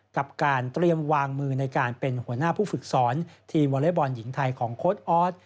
กับการเตรียมวางมือในการเป็นหัวหน้าผู้ฝึกสอนทีมวอเล็กบอลหญิงไทยของโค้ดออส